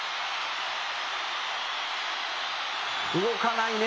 「動かないね」